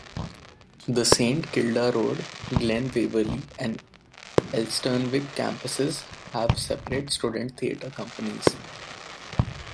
The Saint Kilda Road, Glen Waverley and Elsternwick campuses have separate student theatre companies.